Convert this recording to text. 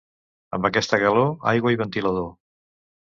Amb aquesta calor, aigua i ventilador.